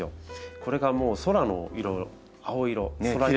これがもう空の色青色空色。